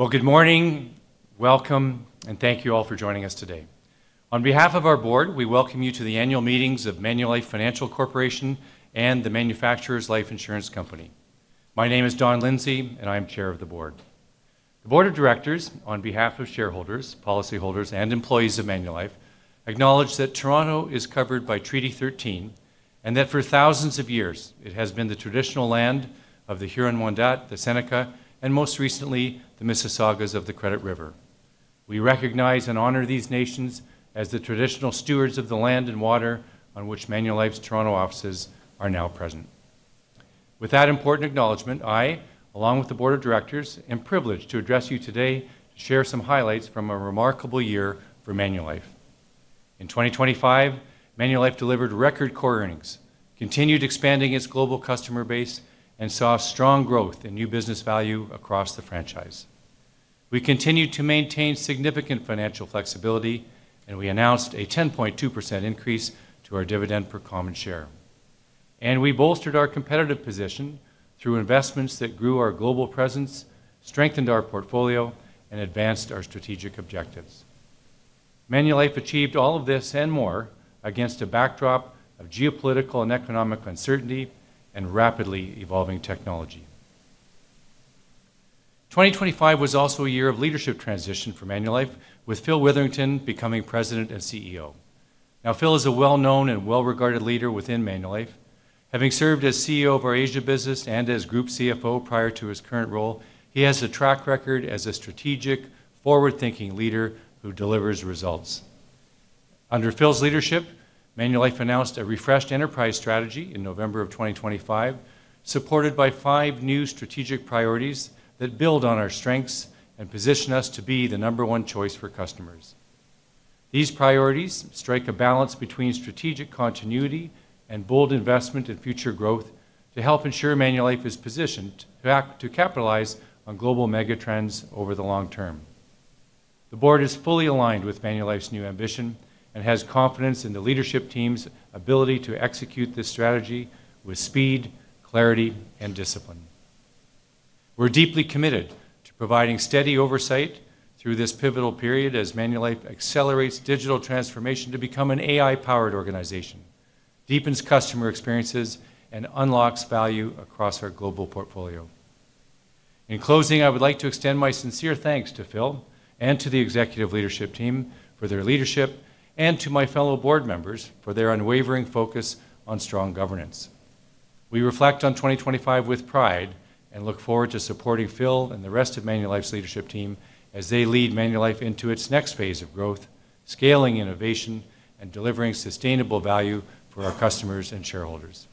Well, good morning, welcome, and thank you all for joining us today. On behalf of our board, we welcome you to the annual meetings of Manulife Financial Corporation and The Manufacturers Life Insurance Company. My name is Don Lindsay, and I am Chair of the Board. The board of directors, on behalf of shareholders, policyholders, and employees of Manulife, acknowledge that Toronto is covered by Treaty 13, and that for thousands of years it has been the traditional land of the Huron-Wendat, the Seneca, and most recently, the Mississaugas of the Credit First Nation. We recognize and honor these nations as the traditional stewards of the land and water on which Manulife's Toronto offices are now present. With that important acknowledgement, I, along with the board of directors, am privileged to address you today to share some highlights from a remarkable year for Manulife. In 2025, Manulife delivered record core earnings, continued expanding its global customer base, and saw strong growth in new business value across the franchise. We continued to maintain significant financial flexibility. We announced a 10.2% increase to our dividend per common share. We bolstered our competitive position through investments that grew our global presence, strengthened our portfolio, and advanced our strategic objectives. Manulife achieved all of this and more against a backdrop of geopolitical and economic uncertainty and rapidly evolving technology. 2025 was also a year of leadership transition for Manulife with Phil Witherington becoming President and CEO. Phil is a well-known and well-regarded leader within Manulife. Having served as CEO of our Asia business and as Group CFO prior to his current role, he has a track record as a strategic forward-thinking leader who delivers results. Under Phil's leadership, Manulife announced a refreshed enterprise strategy in November 2025, supported by five new strategic priorities that build on our strengths and position us to be the number one choice for customers. These priorities strike a balance between strategic continuity and bold investment in future growth to help ensure Manulife is positioned to act to capitalize on global mega trends over the long term. The board is fully aligned with Manulife's new ambition and has confidence in the leadership team's ability to execute this strategy with speed, clarity, and discipline. We're deeply committed to providing steady oversight through this pivotal period as Manulife accelerates digital transformation to become an AI-powered organization, deepens customer experiences, and unlocks value across our global portfolio. In closing, I would like to extend my sincere thanks to Phil and to the executive leadership team for their leadership and to my fellow board members for their unwavering focus on strong governance. We reflect on 2025 with pride and look forward to supporting Phil and the rest of Manulife's leadership team as they lead Manulife into its next phase of growth, scaling innovation, and delivering sustainable value for our customers and shareholders.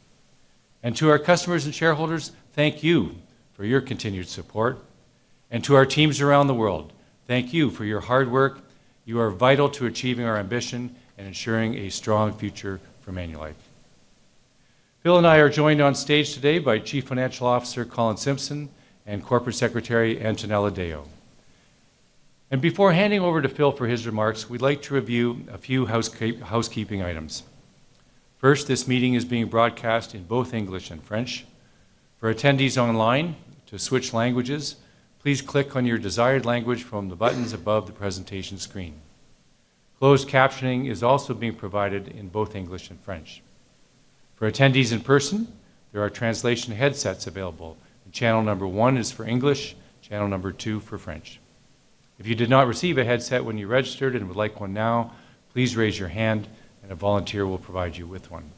To our customers and shareholders, thank you for your continued support. To our teams around the world, thank you for your hard work. You are vital to achieving our ambition and ensuring a strong future for Manulife. Phil and I are joined on stage today by Chief Financial Officer Colin Simpson and Corporate Secretary Antonella Deo. Before handing over to Phil for his remarks, we'd like to review a few housekeeping items. First, this meeting is being broadcast in both English and French. For attendees online, to switch languages, please click on your desired language from the buttons above the presentation screen. Closed captioning is also being provided in both English and French. For attendees in person, there are translation headsets available. Channel number 1 is for English, channel number 2 for French. If you did not receive a headset when you registered and would like one now, please raise your hand and a volunteer will provide you with one.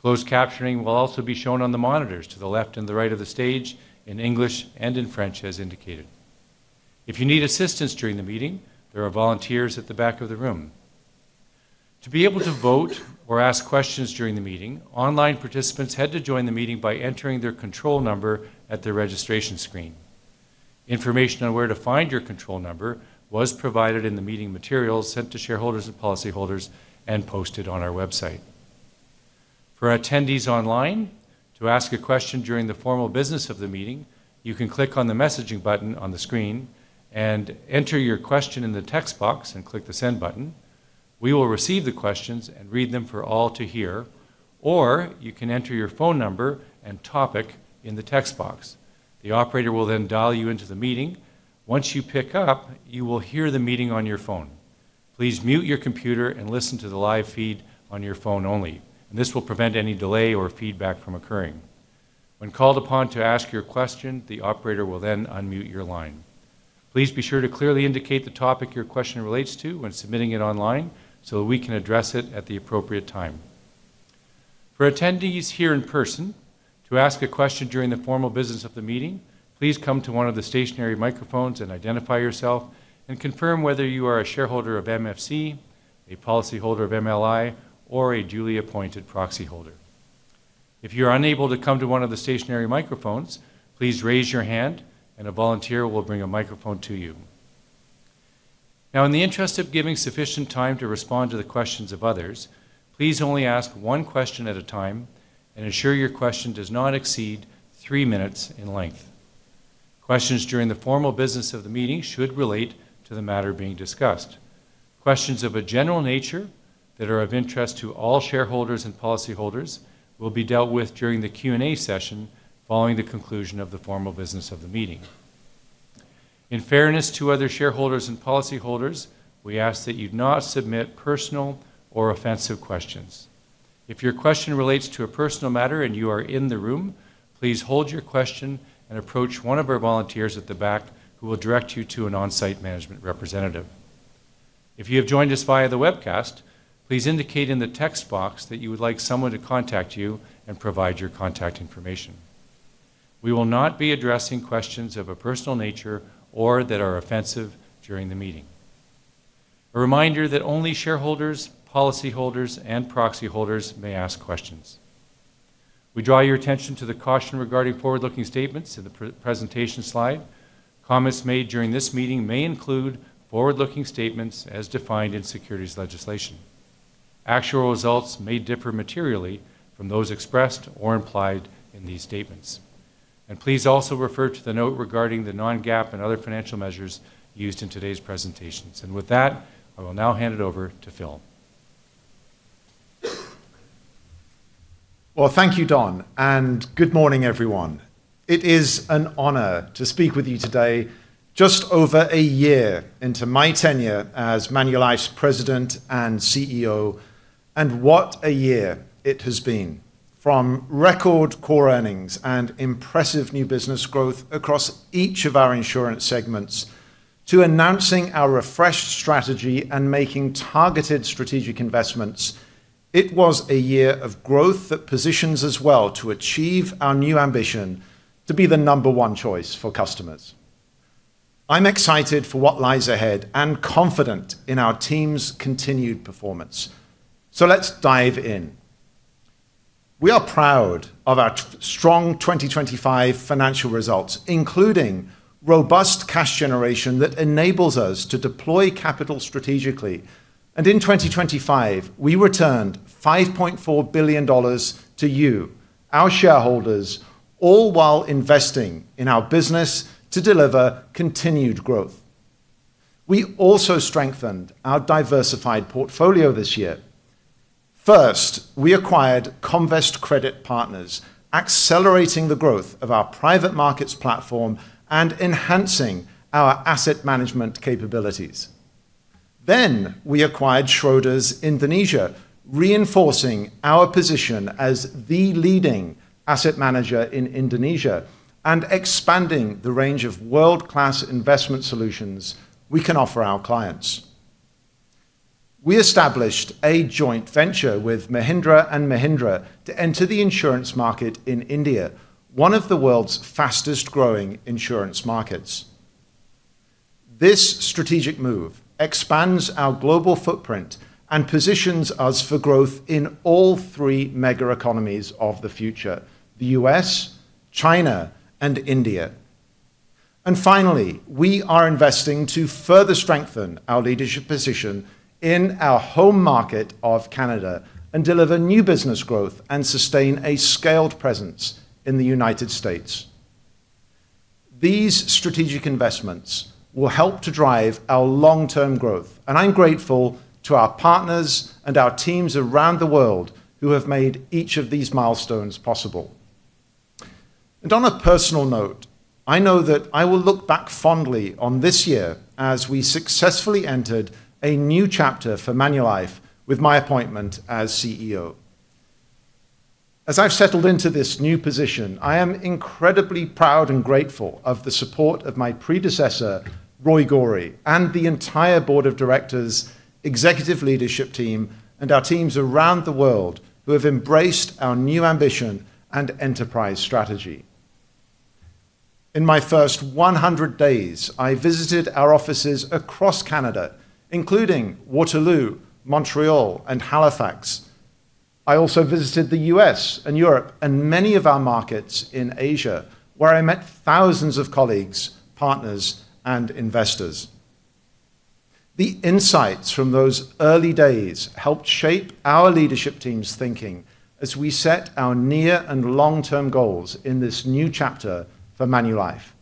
Closed captioning will also be shown on the monitors to the left and the right of the stage in English and in French as indicated. If you need assistance during the meeting, there are volunteers at the back of the room. To be able to vote or ask questions during the meeting, online participants had to join the meeting by entering their control number at their registration screen. Information on where to find your control number was provided in the meeting materials sent to shareholders and policyholders and posted on our website. For attendees online, to ask a question during the formal business of the meeting, you can click on the messaging button on the screen and enter your question in the text box and click the send button. We will receive the questions and read them for all to hear. You can enter your phone number and topic in the text box. The operator will dial you into the meeting. Once you pick up, you will hear the meeting on your phone. Please mute your computer and listen to the live feed on your phone only. This will prevent any delay or feedback from occurring. When called upon to ask your question, the operator will then unmute your line. Please be sure to clearly indicate the topic your question relates to when submitting it online so that we can address it at the appropriate time. For attendees here in person, to ask a question during the formal business of the meeting, please come to one of the stationary microphones and identify yourself and confirm whether you are a shareholder of MFC, a policyholder of MLI, or a duly appointed proxy holder. If you're unable to come to one of the stationary microphones, please raise your hand and a volunteer will bring a microphone to you. Now in the interest of giving sufficient time to respond to the questions of others, please only ask one question at a time and ensure your question does not exceed three minutes in length. Questions during the formal business of the meeting should relate to the matter being discussed. Questions of a general nature that are of interest to all shareholders and policyholders will be dealt with during the Q&A session following the conclusion of the formal business of the meeting. In fairness to other shareholders and policyholders, we ask that you not submit personal or offensive questions. If your question relates to a personal matter and you are in the room, please hold your question and approach one of our volunteers at the back who will direct you to an on-site management representative. If you have joined us via the webcast, please indicate in the text box that you would like someone to contact you and provide your contact information. We will not be addressing questions of a personal nature or that are offensive during the meeting. A reminder that only shareholders, policyholders, proxy holders may ask questions. We draw your attention to the caution regarding forward-looking statements in the pre-presentation slide. Comments made during this meeting may include forward-looking statements as defined in securities legislation. Actual results may differ materially from those expressed or implied in these statements. Please also refer to the note regarding the non-GAAP and other financial measures used in today's presentations. With that, I will now hand it over to Phil. Thank you, Don, and good morning, everyone. It is an honor to speak with you today just over a year into my tenure as Manulife's president and CEO, and what a year it has been. From record core earnings and impressive new business growth across each of our insurance segments to announcing our refreshed strategy and making targeted strategic investments, it was a year of growth that positions us well to achieve our new ambition to be the number one choice for customers. I'm excited for what lies ahead and confident in our team's continued performance. Let's dive in. We are proud of our strong 2025 financial results, including robust cash generation that enables us to deploy capital strategically. In 2025, we returned 5.4 billion dollars to you, our shareholders, all while investing in our business to deliver continued growth. We also strengthened our diversified portfolio this year. First, we acquired Comvest Credit Partners, accelerating the growth of our private markets platform and enhancing our asset management capabilities. We acquired Schroders Indonesia, reinforcing our position as the leading asset manager in Indonesia and expanding the range of world-class investment solutions we can offer our clients. We established a joint venture with Mahindra & Mahindra to enter the insurance market in India, one of the world's fastest growing insurance markets. This strategic move expands our global footprint and positions us for growth in all three mega economies of the future: the U.S., China, and India. Finally, we are investing to further strengthen our leadership position in our home market of Canada and deliver new business growth and sustain a scaled presence in the United States. These strategic investments will help to drive our long-term growth, and I'm grateful to our partners and our teams around the world who have made each of these milestones possible. On a personal note, I know that I will look back fondly on this year as we successfully entered a new chapter for Manulife with my appointment as CEO. As I've settled into this new position, I am incredibly proud and grateful of the support of my predecessor, Roy Gori, and the entire board of directors, executive leadership team, and our teams around the world who have embraced our new ambition and enterprise strategy. In my first 100 days, I visited our offices across Canada, including Waterloo, Montreal, and Halifax. I also visited the U.S. and Europe and many of our markets in Asia, where I met thousands of colleagues, partners, and investors. The insights from those early days helped shape our leadership team's thinking as we set our near and long-term goals in this new chapter for Manulife.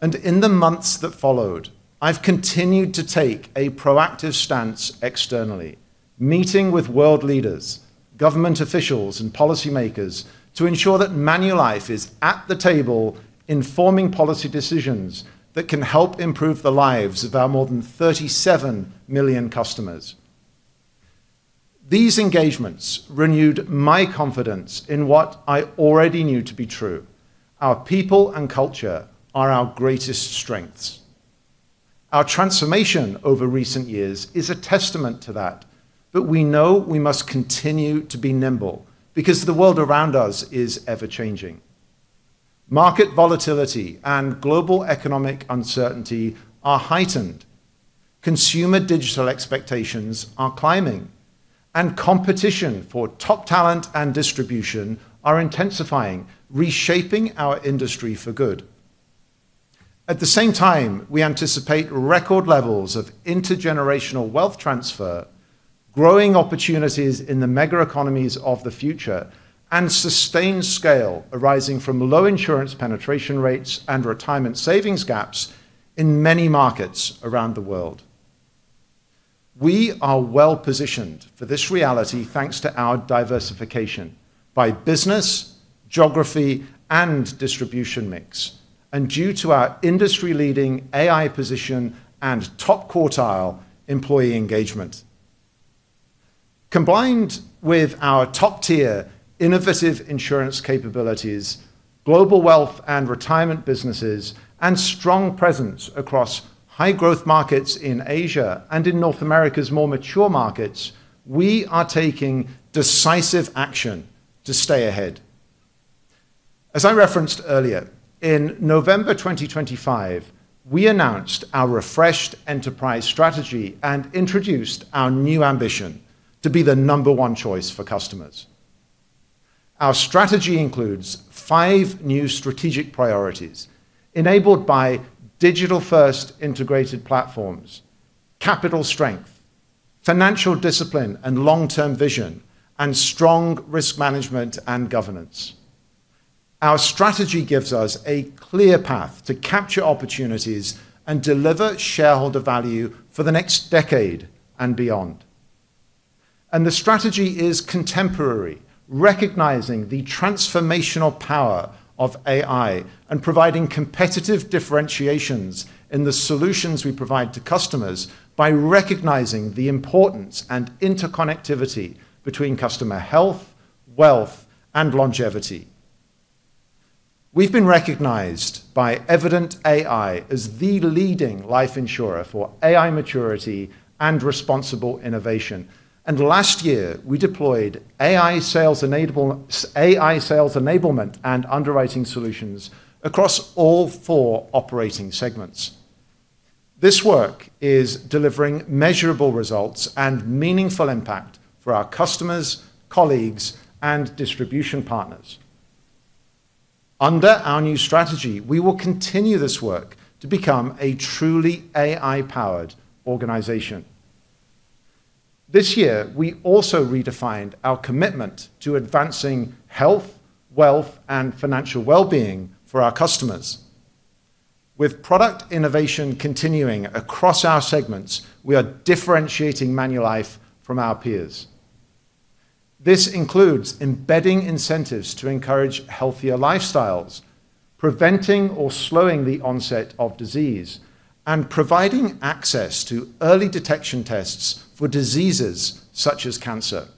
In the months that followed, I've continued to take a proactive stance externally, meeting with world leaders, government officials, and policymakers to ensure that Manulife is at the table informing policy decisions that can help improve the lives of our more than 37 million customers. These engagements renewed my confidence in what I already knew to be true: Our people and culture are our greatest strengths. Our transformation over recent years is a testament to that, but we know we must continue to be nimble because the world around us is ever-changing. Market volatility and global economic uncertainty are heightened. Consumer digital expectations are climbing. Competition for top talent and distribution are intensifying, reshaping our industry for good. At the same time, we anticipate record levels of intergenerational wealth transfer, growing opportunities in the mega economies of the future and sustained scale arising from low insurance penetration rates and retirement savings gaps in many markets around the world. We are well-positioned for this reality thanks to our diversification by business, geography, and distribution mix, and due to our industry-leading AI position and top quartile employee engagement. Combined with our top-tier innovative insurance capabilities, global wealth and retirement businesses, and strong presence across high growth markets in Asia and in North America's more mature markets, we are taking decisive action to stay ahead. As I referenced earlier, in November 2025, we announced our refreshed enterprise strategy and introduced our new ambition to be the number one choice for customers. Our strategy includes five new strategic priorities enabled by digital-first integrated platforms, capital strength, financial discipline, long-term vision, and strong risk management and governance. Our strategy gives us a clear path to capture opportunities and deliver shareholder value for the next decade and beyond. The strategy is contemporary, recognizing the transformational power of AI and providing competitive differentiations in the solutions we provide to customers by recognizing the importance and interconnectivity between customer health, wealth, and longevity. We have been recognized by Evident AI as the leading life insurer for AI maturity and responsible innovation. Last year, we deployed AI sales enablement and underwriting solutions across all four operating segments. This work is delivering measurable results and meaningful impact for our customers, colleagues, and distribution partners. Under our new strategy, we will continue this work to become a truly AI-powered organization. This year, we also redefined our commitment to advancing health, wealth, and financial well-being for our customers. With product innovation continuing across our segments, we are differentiating Manulife from our peers. This includes embedding incentives to encourage healthier lifestyles, preventing or slowing the onset of disease, and providing access to early detection tests for diseases such as cancer.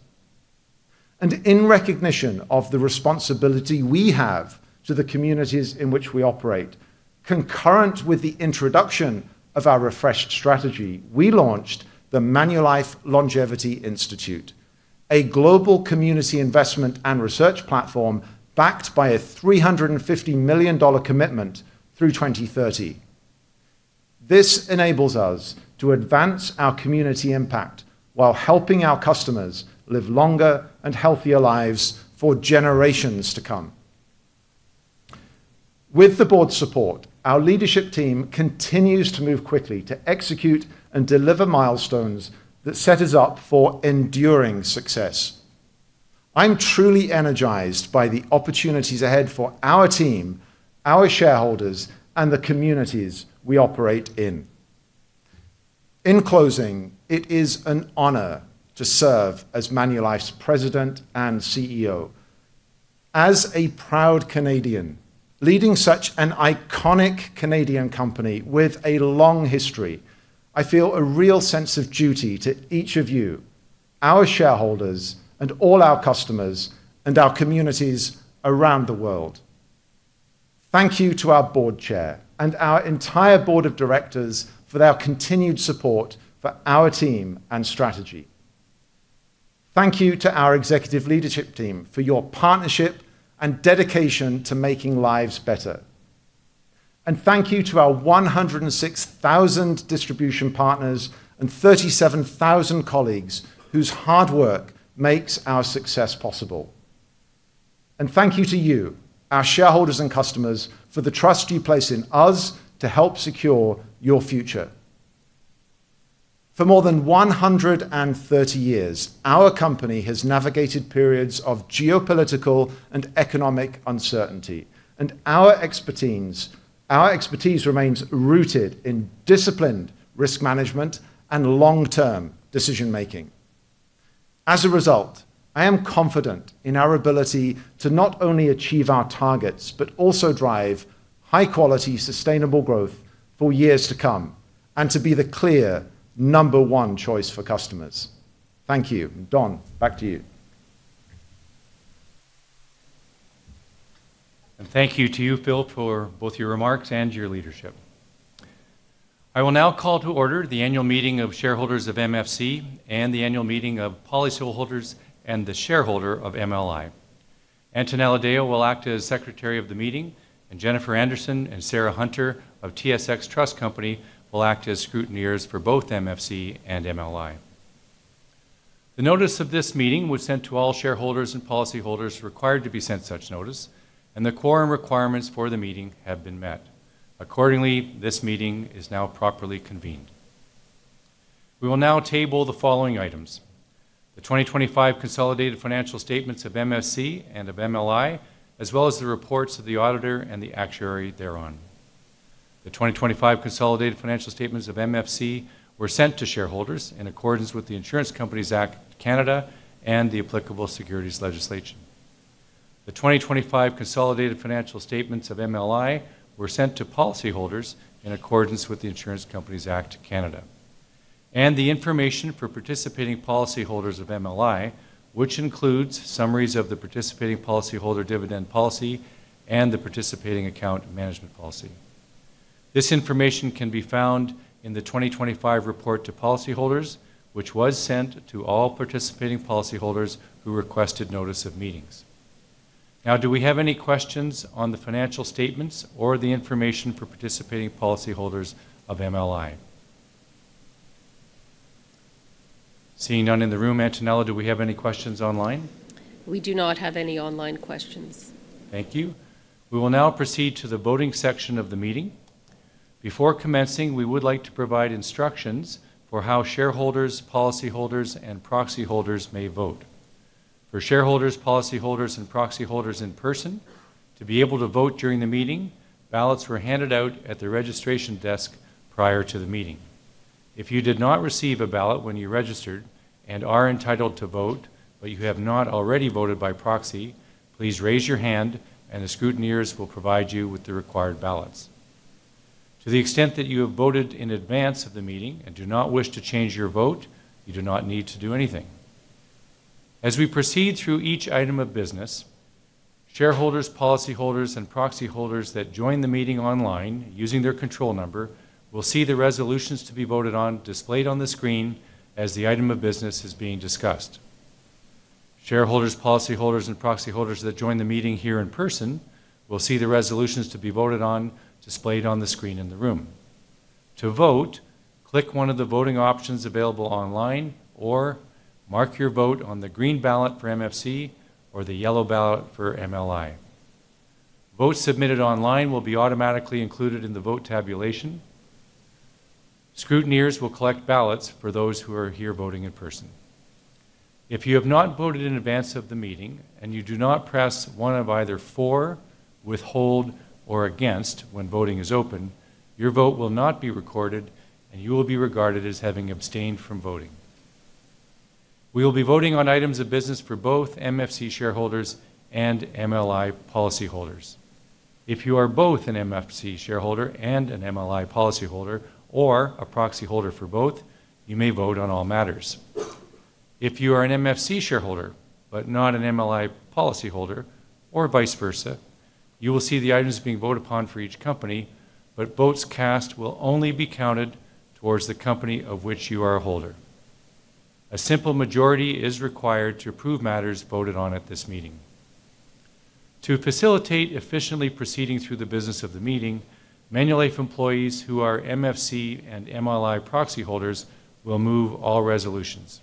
In recognition of the responsibility we have to the communities in which we operate, concurrent with the introduction of our refreshed strategy, we launched the Manulife Longevity Institute, a global community investment and research platform backed by a 350 million dollar commitment through 2030. This enables us to advance our community impact while helping our customers live longer and healthier lives for generations to come. With the Board's support, our Leadership Team continues to move quickly to execute and deliver milestones that set us up for enduring success. I'm truly energized by the opportunities ahead for our team, our shareholders, and the communities we operate in. In closing, it is an honor to serve as Manulife's President and CEO. As a proud Canadian leading such an iconic Canadian company with a long history, I feel a real sense of duty to each of you, our shareholders, and all our customers, and our communities around the world. Thank you to our Board Chair and our entire Board of Directors for their continued support for our team and strategy. Thank you to our Executive Leadership Team for your partnership and dedication to making lives better. Thank you to our 106,000 distribution partners and 37,000 colleagues whose hard work makes our success possible. Thank you to you, our shareholders and customers, for the trust you place in us to help secure your future. For more than 130 years, our company has navigated periods of geopolitical and economic uncertainty, and our expertise remains rooted in disciplined risk management and long-term decision-making. As a result, I am confident in our ability to not only achieve our targets, but also drive high-quality, sustainable growth for years to come and to be the clear number one choice for customers. Thank you. Don, back to you. Thank you to you, Phil, for both your remarks and your leadership. I will now call to order the annual meeting of shareholders of MFC and the annual meeting of policyholders and the shareholder of MLI. Antonella Deo will act as Secretary of the Meeting, and Jennifer Andersen and Sarah Hunter of TSX Trust Company will act as Scrutineers for both MFC and MLI. The notice of this meeting was sent to all shareholders and policyholders required to be sent such notice, and the quorum requirements for the meeting have been met. Accordingly, this meeting is now properly convened. We will now table the following items. The 2025 consolidated financial statements of MFC and of MLI, as well as the reports of the auditor and the actuary thereon. The 2025 consolidated financial statements of MFC were sent to shareholders in accordance with the Insurance Companies Act, Canada, and the applicable securities legislation. The 2025 consolidated financial statements of MLI were sent to policyholders in accordance with the Insurance Companies Act, Canada. The information for participating policyholders of MLI, which includes summaries of the participating policyholder dividend policy and the participating account management policy. This information can be found in the 2025 report to policyholders, which was sent to all participating policyholders who requested notice of meetings. Now, do we have any questions on the financial statements or the information for participating policyholders of MLI? Seeing none in the room, Antonella, do we have any questions online? We do not have any online questions. Thank you. We will now proceed to the voting section of the meeting. Before commencing, we would like to provide instructions for how shareholders, policyholders, and proxy holders may vote. For shareholders, policyholders, and proxy holders in person, to be able to vote during the meeting, ballots were handed out at the registration desk prior to the meeting. If you did not receive a ballot when you registered and are entitled to vote but you have not already voted by proxy, please raise your hand and the scrutineers will provide you with the required ballots. To the extent that you have voted in advance of the meeting and do not wish to change your vote, you do not need to do anything. As we proceed through each item of business, shareholders, policyholders, and proxy holders that join the meeting online using their control number will see the resolutions to be voted on displayed on the screen as the item of business is being discussed. Shareholders, policyholders, and proxy holders that join the meeting here in person will see the resolutions to be voted on displayed on the screen in the room. To vote, click one of the voting options available online or mark your vote on the green ballot for MFC or the yellow ballot for MLI. Votes submitted online will be automatically included in the vote tabulation. Scrutineers will collect ballots for those who are here voting in person. If you have not voted in advance of the meeting and you do not press one of either for, withhold, or against when voting is open, your vote will not be recorded and you will be regarded as having abstained from voting. We will be voting on items of business for both MFC shareholders and MLI policyholders. If you are both an MFC shareholder and an MLI policyholder or a proxy holder for both, you may vote on all matters. If you are an MFC shareholder but not an MLI policyholder or vice versa, you will see the items being voted upon for each company, but votes cast will only be counted towards the company of which you are a holder. A simple majority is required to approve matters voted on at this meeting. To facilitate efficiently proceeding through the business of the meeting, Manulife employees who are MFC and MLI proxy holders will move all resolutions.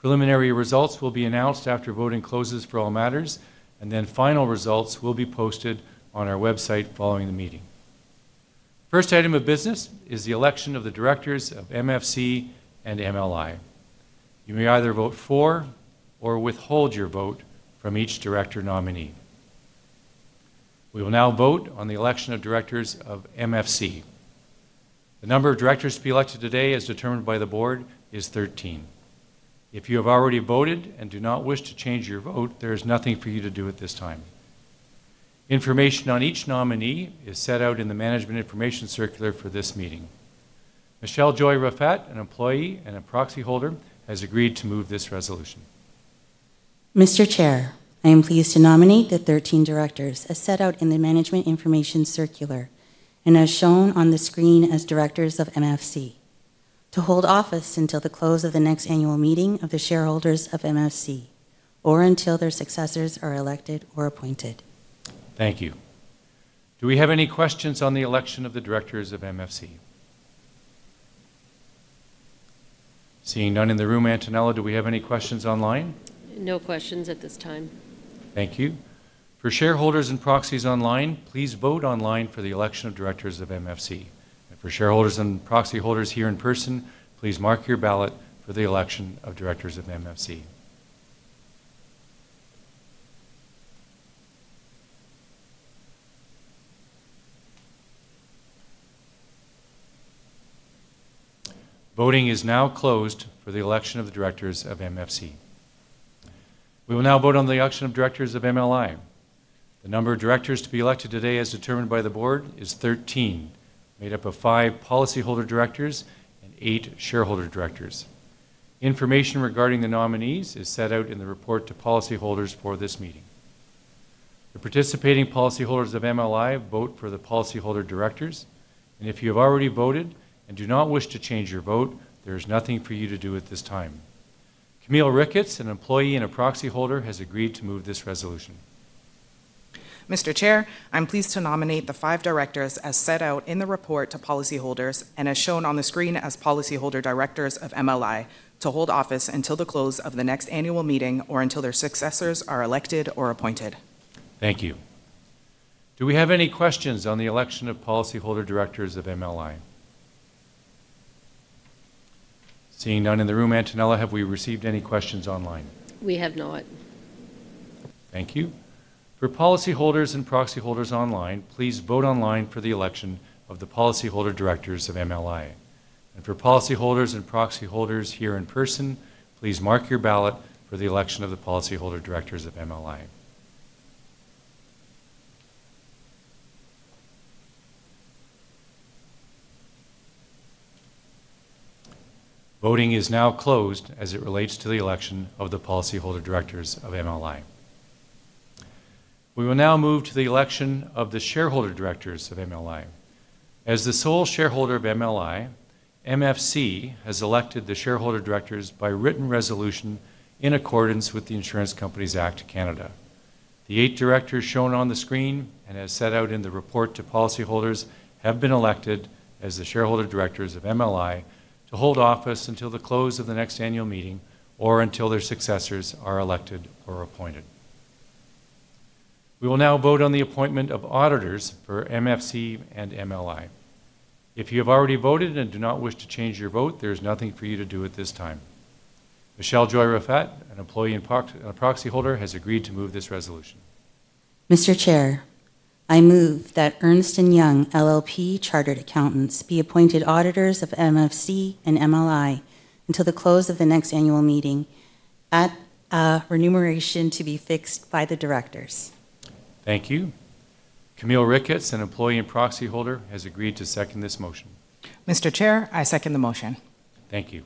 Preliminary results will be announced after voting closes for all matters. Final results will be posted on our website following the meeting. First item of business is the election of the directors of MFC and MLI. You may either vote for or withhold your vote from each director nominee. We will now vote on the election of directors of MFC. The number of directors to be elected today as determined by the board is 13. If you have already voted and do not wish to change your vote, there is nothing for you to do at this time. Information on each nominee is set out in the management information circular for this meeting. Michelle Joy Rafat, an employee and a proxy holder, has agreed to move this resolution. Mr. Chair, I am pleased to nominate the 13 directors as set out in the management information circular and as shown on the screen as directors of MFC to hold office until the close of the next annual meeting of the shareholders of MFC or until their successors are elected or appointed. Thank you. Do we have any questions on the election of the directors of MFC? Seeing none in the room, Antonella, do we have any questions online? No questions at this time. Thank you. For shareholders and proxies online, please vote online for the election of directors of MFC. For shareholders and proxy holders here in person, please mark your ballot for the election of directors of MFC. Voting is now closed for the election of the directors of MFC. We will now vote on the election of directors of MLI. The number of directors to be elected today as determined by the board is 13, made up of five policyholder directors and eight shareholder directors. Information regarding the nominees is set out in the report to policyholders for this meeting. The participating policyholders of MLI vote for the policyholder directors. If you have already voted and do not wish to change your vote, there is nothing for you to do at this time. Camille Ricketts, an employee and a proxy holder, has agreed to move this resolution. Mr. Chair, I'm pleased to nominate the five directors as set out in the report to policyholders and as shown on the screen as policyholder directors of MLI to hold office until the close of the next annual meeting or until their successors are elected or appointed. Thank you. Do we have any questions on the election of policyholder directors of MLI? Seeing none in the room, Antonella, have we received any questions online? We have not. Thank you. For policyholders and proxyholders online, please vote online for the election of the policyholder directors of MLI. For policyholders and proxyholders here in person, please mark your ballot for the election of the policyholder directors of MLI. Voting is now closed as it relates to the election of the policyholder directors of MLI. We will now move to the election of the shareholder directors of MLI. As the sole shareholder of MLI, MFC has elected the shareholder directors by written resolution in accordance with the Insurance Companies Act of Canada. The eight directors shown on the screen and as set out in the report to policyholders have been elected as the shareholder directors of MLI to hold office until the close of the next annual meeting or until their successors are elected or appointed. We will now vote on the appointment of auditors for MFC and MLI. If you have already voted and do not wish to change your vote, there's nothing for you to do at this time. Michelle Joy Rafat, an employee and a proxyholder, has agreed to move this resolution. Mr. Chair, I move that Ernst & Young LLP Chartered Accountants be appointed auditors of MFC and MLI until the close of the next annual meeting at remuneration to be fixed by the directors. Thank you. Camille Ricketts, an employee and proxyholder, has agreed to second this motion. Mr. Chair, I second the motion. Thank you.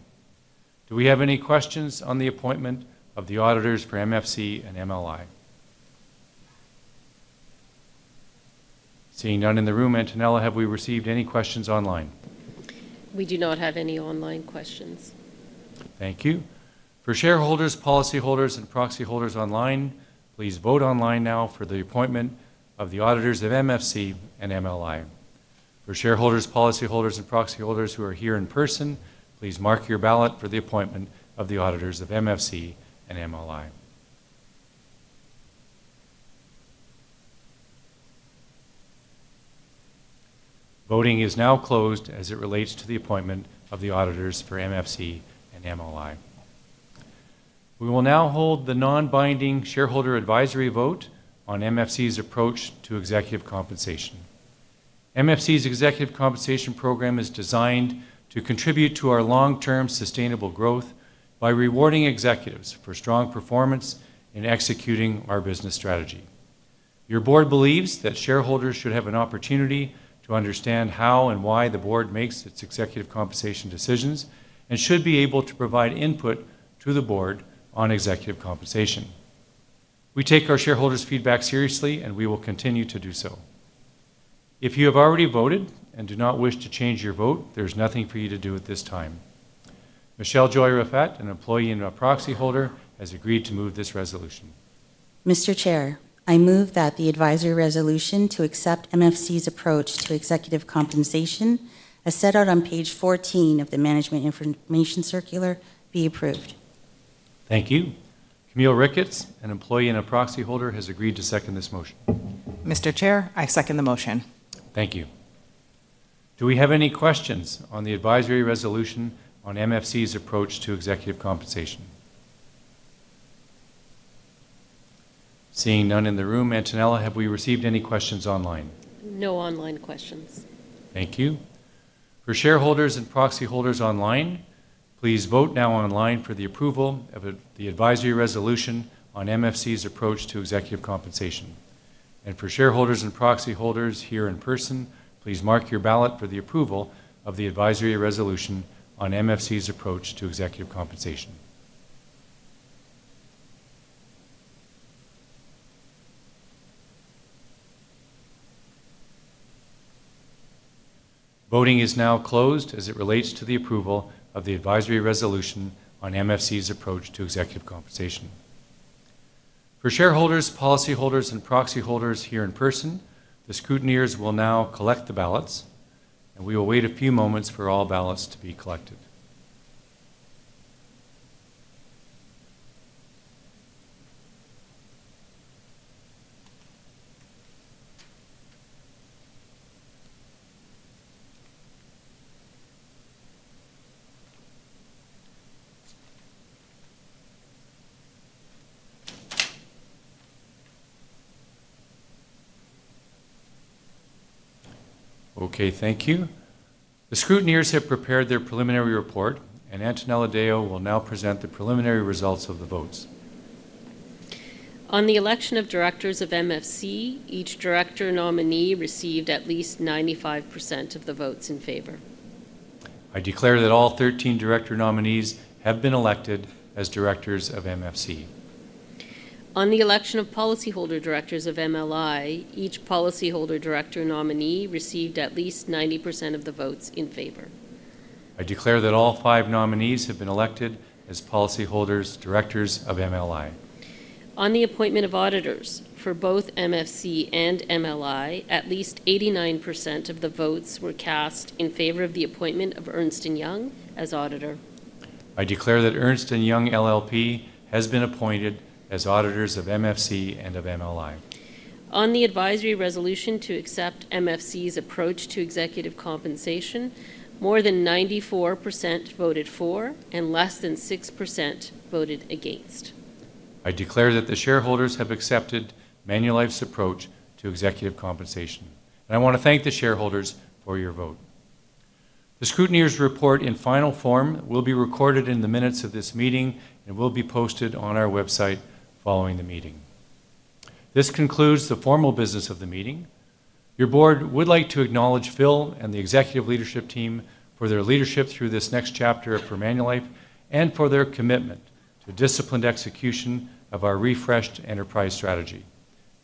Do we have any questions on the appointment of the auditors for MFC and MLI? Seeing none in the room, Antonella, have we received any questions online? We do not have any online questions. Thank you. For shareholders, policyholders, and proxyholders online, please vote online now for the appointment of the auditors of MFC and MLI. For shareholders, policyholders, and proxyholders who are here in person, please mark your ballot for the appointment of the auditors of MFC and MLI. Voting is now closed as it relates to the appointment of the auditors for MFC and MLI. We will now hold the non-binding shareholder advisory vote on MFC's approach to executive compensation. MFC's executive compensation program is designed to contribute to our long-term sustainable growth by rewarding executives for strong performance in executing our business strategy. Your board believes that shareholders should have an opportunity to understand how and why the board makes its executive compensation decisions and should be able to provide input to the board on executive compensation. We take our shareholders' feedback seriously, and we will continue to do so. If you have already voted and do not wish to change your vote, there's nothing for you to do at this time. Michelle Joy Rafat, an employee and a proxyholder, has agreed to move this resolution. Mr. Chair, I move that the advisory resolution to accept MFC's approach to executive compensation, as set out on page 14 of the management information circular, be approved. Thank you. Camille Ricketts, an Employee and a Proxyholder, has agreed to second this motion. Mr. Chair, I second the motion. Thank you. Do we have any questions on the advisory resolution on MFC's approach to executive compensation? Seeing none in the room, Antonella, have we received any questions online? No online questions. Thank you. For shareholders and proxyholders online, please vote now online for the approval of the advisory resolution on MFC's approach to executive compensation. For shareholders and proxyholders here in person, please mark your ballot for the approval of the advisory resolution on MFC's approach to executive compensation. Voting is now closed as it relates to the approval of the advisory resolution on MFC's approach to executive compensation. For shareholders, policyholders, and proxyholders here in person, the scrutineers will now collect the ballots, and we will wait a few moments for all ballots to be collected. Okay, thank you. The scrutineers have prepared their preliminary report, and Antonella Deo will now present the preliminary results of the votes. On the election of directors of MFC, each director nominee received at least 95% of the votes in favor. I declare that all 13 director nominees have been elected as directors of MFC. On the election of policyholder directors of MLI, each policyholder director nominee received at least 90% of the votes in favor. I declare that all five nominees have been elected as policyholders, directors of MLI. On the appointment of auditors for both MFC and MLI, at least 89% of the votes were cast in favor of the appointment of Ernst & Young as auditor. I declare that Ernst & Young LLP has been appointed as auditors of MFC and of MLI. On the advisory resolution to accept MFC's approach to executive compensation, more than 94% voted for and less than 6% voted against. I declare that the shareholders have accepted Manulife's approach to executive compensation, I want to thank the shareholders for your vote. The scrutineer's report in final form will be recorded in the minutes of this meeting and will be posted on our website following the meeting. This concludes the formal business of the meeting. Your board would like to acknowledge Phil and the executive leadership team for their leadership through this next chapter for Manulife and for their commitment to disciplined execution of our refreshed enterprise strategy.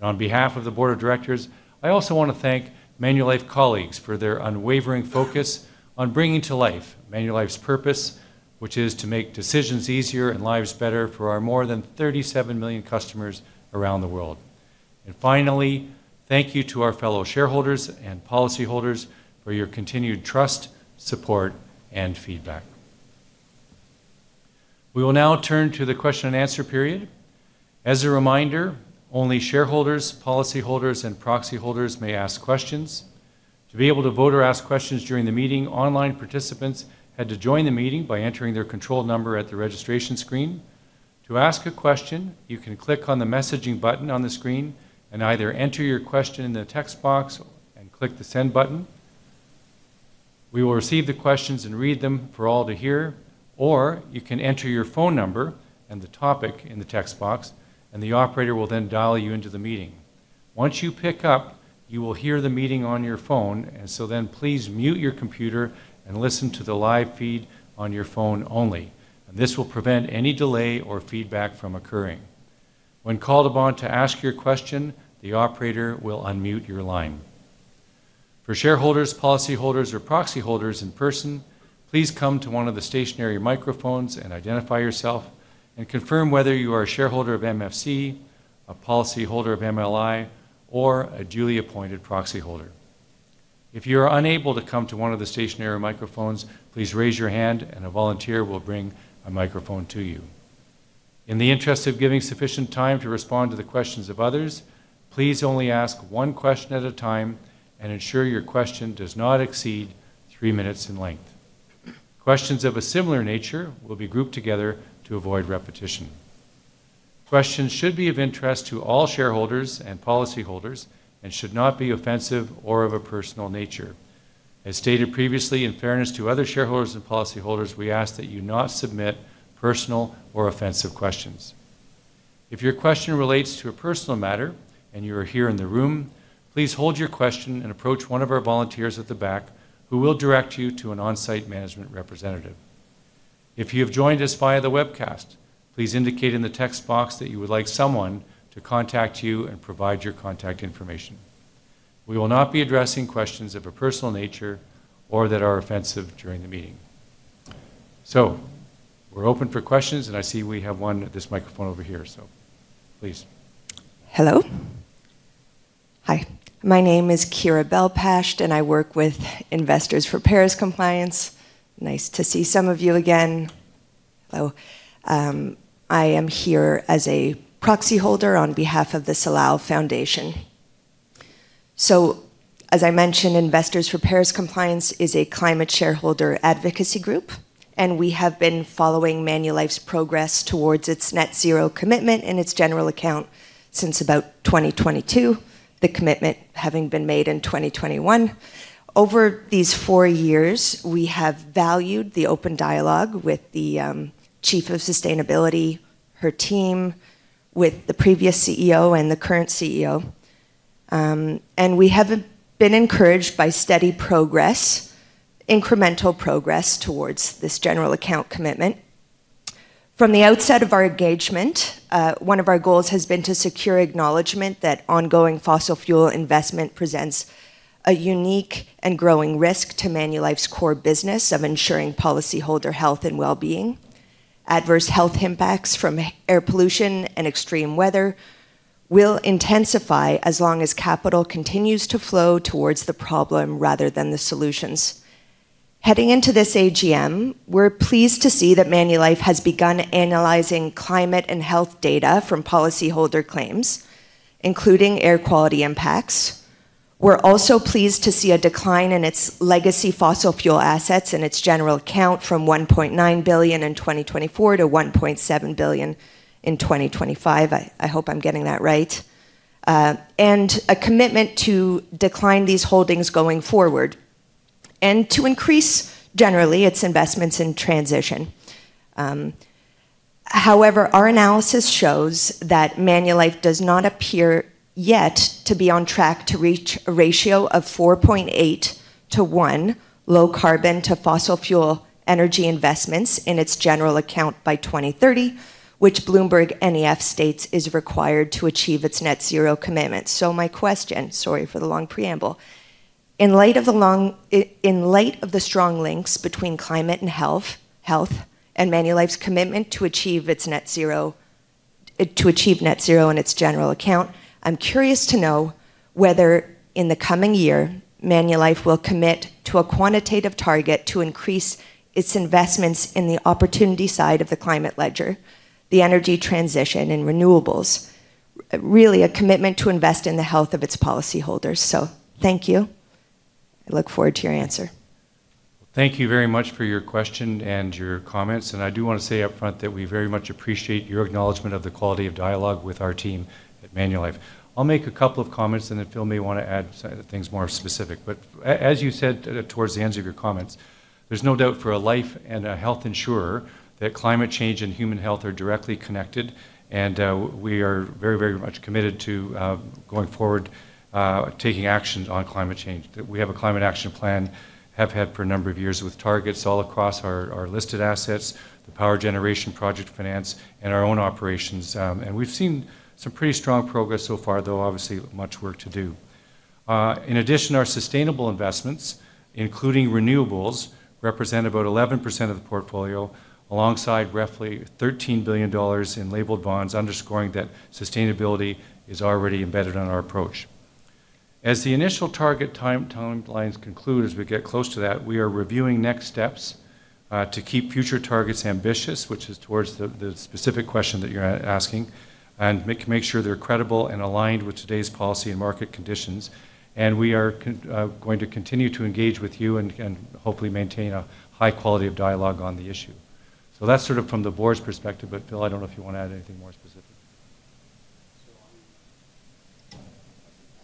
On behalf of the board of directors, I also want to thank Manulife colleagues for their unwavering focus on bringing to life Manulife's purpose, which is to make decisions easier and lives better for our more than 37 million customers around the world. Finally, thank you to our fellow shareholders and policyholders for your continued trust, support, and feedback. We will now turn to the question-and-answer period. As a reminder, only shareholders, policyholders, and proxy holders may ask questions. To be able to vote or ask questions during the meeting, online participants had to join the meeting by entering their control number at the registration screen. To ask a question, you can click on the messaging button on the screen and either enter your question in the text box and click the send button. We will receive the questions and read them for all to hear. You can enter your phone number and the topic in the text box, and the operator will then dial you into the meeting. Once you pick up, you will hear the meeting on your phone, please mute your computer and listen to the live feed on your phone only. This will prevent any delay or feedback from occurring. When called upon to ask your question, the operator will unmute your line. For shareholders, policyholders, or proxy holders in person, please come to one of the stationary microphones and identify yourself and confirm whether you are a shareholder of MFC, a policyholder of MLI, or a duly appointed proxy holder. If you are unable to come to one of the stationary microphones, please raise your hand and a volunteer will bring a microphone to you. In the interest of giving sufficient time to respond to the questions of others, please only ask one question at a time and ensure your question does not exceed three minutes in length. Questions of a similar nature will be grouped together to avoid repetition. Questions should be of interest to all shareholders and policyholders and should not be offensive or of a personal nature. As stated previously, in fairness to other shareholders and policyholders, we ask that you not submit personal or offensive questions. If your question relates to a personal matter and you are here in the room, please hold your question and approach one of our volunteers at the back who will direct you to an on-site management representative. If you have joined us via the webcast, please indicate in the text box that you would like someone to contact you and provide your contact information. We will not be addressing questions of a personal nature or that are offensive during the meeting. We're open for questions, and I see we have one at this microphone over here. Please. Hello. Hi. My name is Kyra Bell-Pasht, and I work with Investors for Paris Compliance. Nice to see some of you again. Hello. I am here as a proxy holder on behalf of the Salal Foundation. As I mentioned, Investors for Paris Compliance is a climate shareholder advocacy group, and we have been following Manulife's progress towards its net zero commitment in its general account since about 2022, the commitment having been made in 2021. Over these four years, we have valued the open dialogue with the chief of sustainability, her team, with the previous CEO and the current CEO, and we have been encouraged by steady progress, incremental progress towards this general account commitment. From the outset of our engagement, one of our goals has been to secure acknowledgement that ongoing fossil fuel investment presents a unique and growing risk to Manulife's core business of ensuring policyholder health and well-being. Adverse health impacts from air pollution and extreme weather will intensify as long as capital continues to flow towards the problem rather than the solutions. Heading into this AGM, we're pleased to see that Manulife has begun analyzing climate and health data from policyholder claims, including air quality impacts. We're also pleased to see a decline in its legacy fossil fuel assets in its general account from 1.9 billion in 2024 to 1.7 billion in 2025. I hope I'm getting that right. A commitment to decline these holdings going forward and to increase generally its investments in transition. However, our analysis shows that Manulife does not appear yet to be on track to reach a ratio of 4.8 to 1 low carbon to fossil fuel energy investments in its general account by 2030, which BloombergNEF states is required to achieve its net zero commitment. My question, sorry for the long preamble. In light of the strong links between climate and health and Manulife's commitment to achieve its net zero, to achieve net zero in its general account, I'm curious to know whether in the coming year Manulife will commit to a quantitative target to increase its investments in the opportunity side of the climate ledger, the energy transition and renewables. Really a commitment to invest in the health of its policy holders. Thank you. I look forward to your answer. Thank you very much for your question and your comments. I do want to say up front that we very much appreciate your acknowledgement of the quality of dialogue with our team at Manulife. I'll make a couple of comments and then Phil may want to add things more specific. As you said, towards the end of your comments, there's no doubt for a life and a health insurer that climate change and human health are directly connected, and we are very much committed to going forward, taking actions on climate change. We have a climate action plan, have had for a number of years with targets all across our listed assets, the power generation project finance and our own operations. We've seen some pretty strong progress so far, though obviously much work to do. In addition, our sustainable investments, including renewables, represent about 11% of the portfolio alongside roughly 13 billion dollars in labeled bonds underscoring that sustainability is already embedded in our approach. As the initial target timelines conclude, as we get close to that, we are reviewing next steps to keep future targets ambitious, which is towards the specific question that you're asking, and make sure they're credible and aligned with today's policy and market conditions. We are going to continue to engage with you and hopefully maintain a high quality of dialogue on the issue. That's sort of from the board's perspective, but Phil, I don't know if you wanna add anything more specific.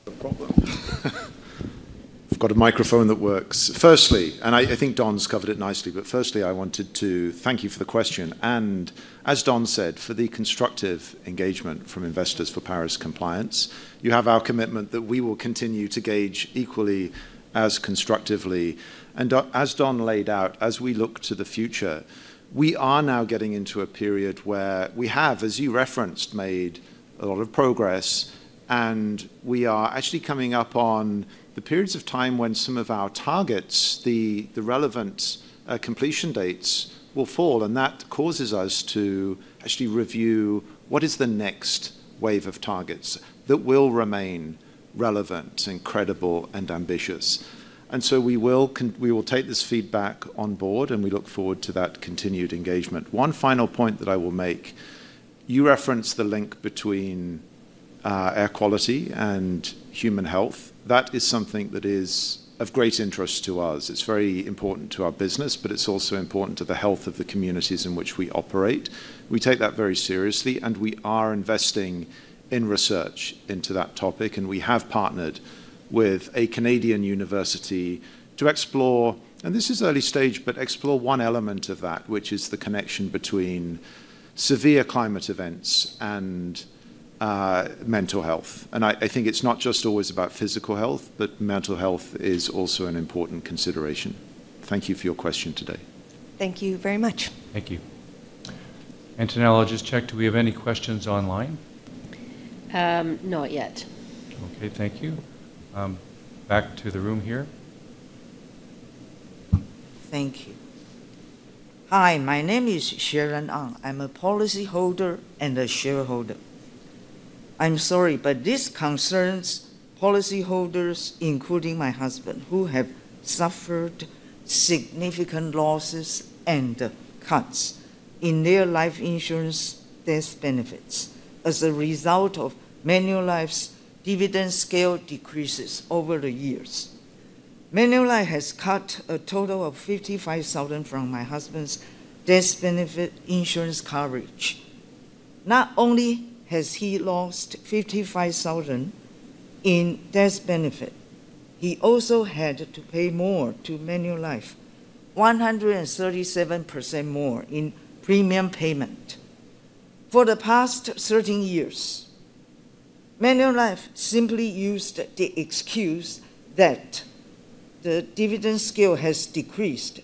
No problem. We've got a microphone that works. Firstly, and I think Don's covered it nicely, but firstly, I wanted to thank you for the question. As Don said, for the constructive engagement from Investors for Paris Compliance, you have our commitment that we will continue to engage equally as constructively. Don, as Don laid out, as we look to the future, we are now getting into a period where we have, as you referenced, made a lot of progress, and we are actually coming up on the periods of time when some of our targets, the relevant completion dates will fall. That causes us to actually review what is the next wave of targets that will remain relevant and credible and ambitious. We will take this feedback on board, and we look forward to that continued engagement. One final point that I will make. You referenced the link between air quality and human health. That is something that is of great interest to us. It's very important to our business, but it's also important to the health of the communities in which we operate. We take that very seriously, and we are investing in research into that topic, and we have partnered with a Canadian university to explore, and this is early stage, but explore one element of that, which is the connection between severe climate events and mental health. I think it's not just always about physical health, but mental health is also an important consideration. Thank you for your question today. Thank you very much. Thank you. Antonella, I'll just check, do we have any questions online? Not yet. Okay, thank you. Back to the room here. Thank you. Hi, my name is Sharon Ang. I am a policyholder and a shareholder. This concerns policyholders, including my husband, who have suffered significant losses and cuts in their life insurance death benefits as a result of Manulife's dividend scale decreases over the years. Manulife has cut a total of 55,000 from my husband's death benefit insurance coverage. Not only has he lost 55,000 in death benefit, he also had to pay more to Manulife, 137% more in premium payment. For the past 13 years, Manulife simply used the excuse that the dividend scale has decreased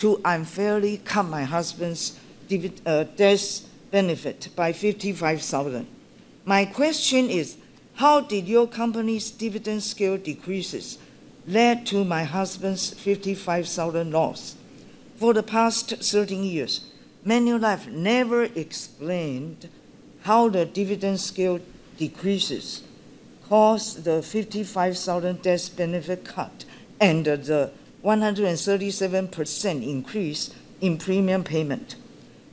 to unfairly cut my husband's death benefit by 55,000. My question is, how did your company's dividend scale decreases lead to my husband's 55,000 loss? For the past 13 years, Manulife never explained how the dividend scale decreases caused the 55,000 death benefit cut and the 137% increase in premium payment.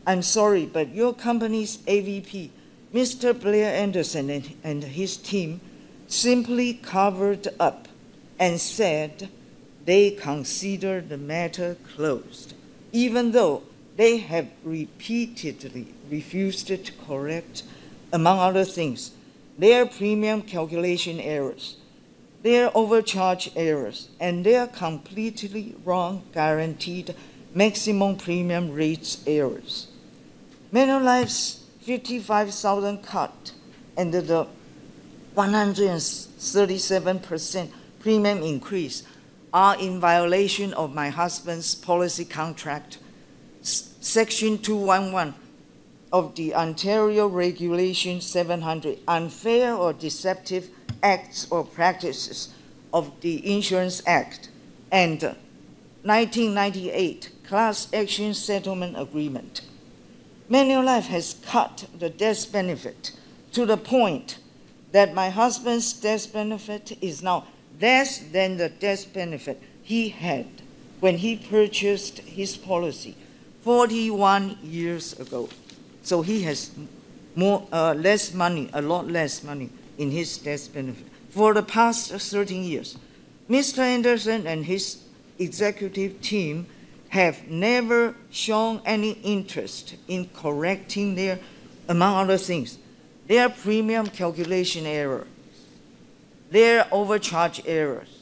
I'm sorry. Your company's AVP, Mr. Blair Anderson and his team, simply covered up and said they consider the matter closed, even though they have repeatedly refused to correct, among other things, their premium calculation errors, their overcharge errors, and their completely wrong guaranteed maximum premium rates errors. Manulife's CAD 55,000 cut and the 137% premium increase are in violation of my husband's policy contract, Section 211 of the Ontario Regulation 7/00, Unfair or Deceptive Acts or Practices of the Insurance Act, and the 1998 Class Action Settlement Agreement. Manulife has cut the death benefit to the point that my husband's death benefit is now less than the death benefit he had when he purchased his policy 41 years ago. He has less money, a lot less money in his death benefit. For the past 13 years, Mr. Anderson and his executive team have never shown any interest in correcting their, among other things, their premium calculation error, their overcharge errors,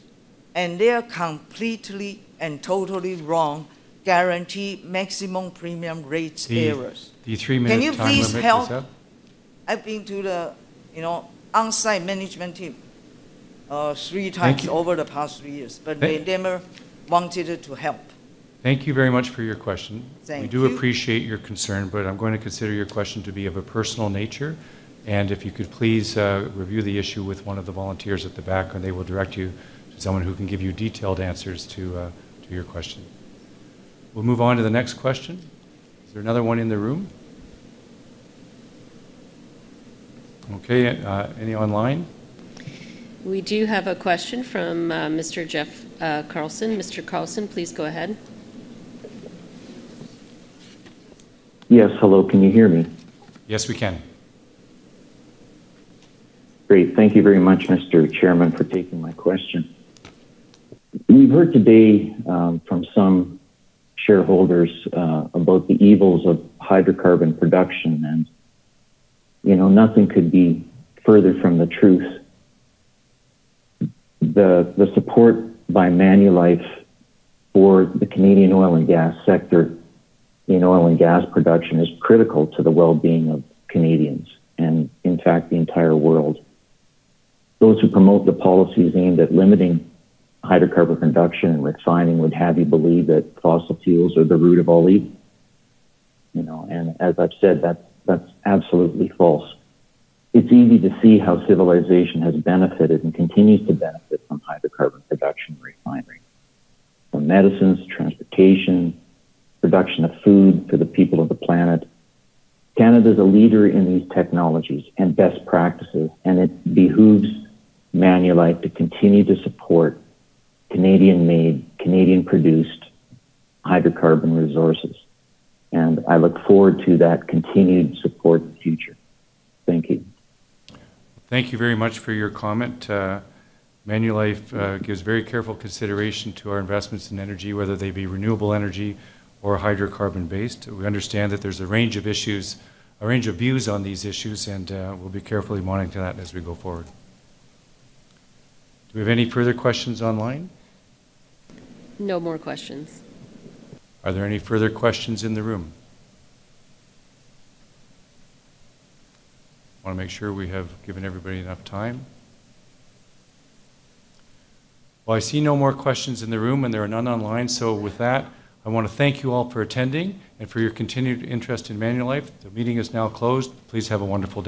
and their completely and totally wrong guaranteed maximum premium rates errors. The three-minute time limit is up. Can you please help? I've been to the, you know, onsite management team, 3x. Thank you. Over the past three years. They never wanted to help. Thank you very much for your question. Thank you. We do appreciate your concern, I'm going to consider your question to be of a personal nature. If you could please review the issue with one of the volunteers at the back, and they will direct you to someone who can give you detailed answers to your question. We'll move on to the next question. Is there another one in the room? Okay. Any online? We do have a question from Mr. Jeff Carlson. Mr. Carlson, please go ahead. Yes. Hello. Can you hear me? Yes, we can. Great. Thank you very much, Mr. Chairman, for taking my question. We've heard today from some shareholders about the evils of hydrocarbon production and, you know, nothing could be further from the truth. The support by Manulife for the Canadian oil and gas sector in oil and gas production is critical to the wellbeing of Canadians and in fact, the entire world. Those who promote the policies aimed at limiting hydrocarbon production and refining would have you believe that fossil fuels are the root of all evil, you know, and as I've said, that's absolutely false. It's easy to see how civilization has benefited and continues to benefit from hydrocarbon production and refining, from medicines, transportation, production of food for the people of the planet. Canada's a leader in these technologies and best practices. It behooves Manulife to continue to support Canadian-made, Canadian-produced hydrocarbon resources. I look forward to that continued support in the future. Thank you. Thank you very much for your comment. Manulife gives very careful consideration to our investments in energy, whether they be renewable energy or hydrocarbon-based. We understand that there's a range of issues, a range of views on these issues, and we'll be carefully monitoring that as we go forward. Do we have any further questions online? No more questions. Are there any further questions in the room? Wanna make sure we have given everybody enough time. Well, I see no more questions in the room, and there are none online. With that, I wanna thank you all for attending and for your continued interest in Manulife. The meeting is now closed. Please have a wonderful day.